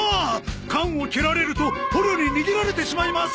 缶をけられると捕虜に逃げられてしまいます！